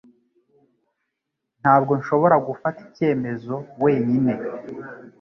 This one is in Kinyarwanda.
Ntabwo nshobora gufata icyemezo wenyine